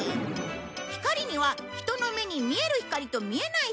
光には人の目に見える光と見えない光があるんだ。